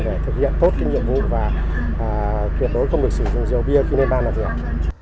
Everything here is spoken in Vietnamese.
để thực hiện tốt cái nhiệm vụ và kết nối không được sử dụng rượu bia khi lên ban làm việc